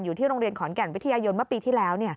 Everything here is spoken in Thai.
อยู่ที่โรงเรียนขอนแก่นวิทยายนเมื่อปีที่แล้ว